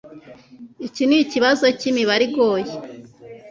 Iki nikibazo cyimibare igoye.